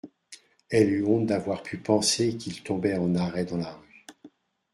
Elle eut honte d’avoir pu penser qu’il tombait en arrêt dans la rue